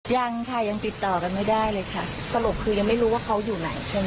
ยังค่ะยังติดต่อกันไม่ได้เลยค่ะสรุปคือยังไม่รู้ว่าเขาอยู่ไหนใช่ไหม